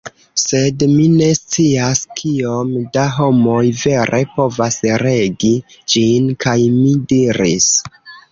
Sed mi ne scias kiom da homoj vere povas regi ĝin." kaj mi diris: